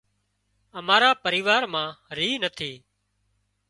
امارا پريوار مان ريهَه نٿِي